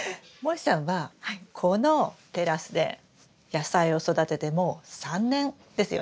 もえさんはこのテラスで野菜を育ててもう３年ですよね？